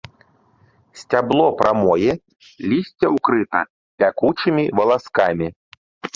Сцябло прамое, лісце ўкрыта пякучымі валаскамі.